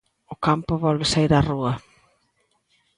O campo volve saír á rúa.